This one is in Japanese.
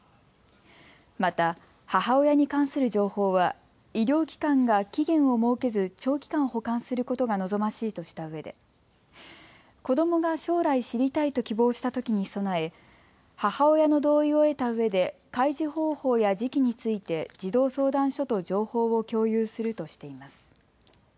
また母親に関する情報は医療機関が期限を設けず長期間、保管することが望ましいとしたうえで子どもが将来知りたいと希望したときに備え、母親の同意を得たうえで開示方法や時期について児童相談所と情報を共有するとしています。